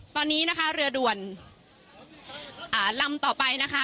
ตอนนี้นะคะเรือด่วนอ่าลำต่อไปนะคะ